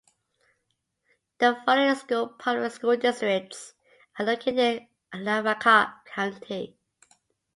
The following school public school districts are located in Lavaca County.